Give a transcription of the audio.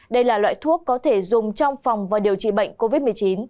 đây là loại thuốc có thể dùng trong phòng và điều trị bệnh covid một mươi chín